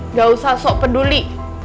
nggak usah sok peduli